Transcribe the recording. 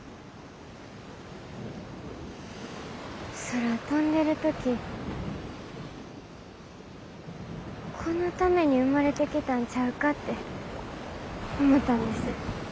空飛んでる時このために生まれてきたんちゃうかって思ったんです。